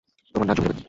তোমার নাচ জমে যাবে।